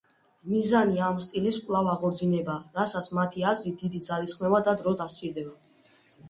მიზანი ამ სტილის კვლავ აღორძინებაა, რასაც მათი აზრით დიდი ძალისხმევა და დრო დასჭირდება.